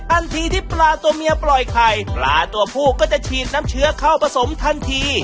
ทันทีที่ปลาตัวเมียปล่อยไข่ปลาตัวผู้ก็จะฉีดน้ำเชื้อเข้าผสมทันที